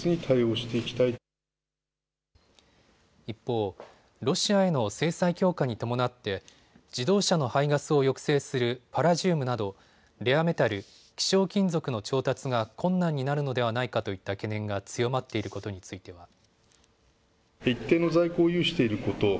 一方、ロシアへの制裁強化に伴って自動車の排ガスを抑制するパラジウムなどレアメタル・希少金属の調達が困難になるのではないかといった懸念が強まっていることについては。